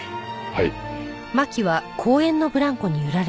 はい。